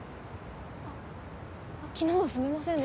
あ昨日はすみませんで。